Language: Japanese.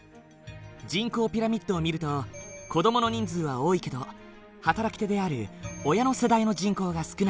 人口ピラミッドを見ると子どもの人数は多いけど働き手である親の世代の人口が少ない。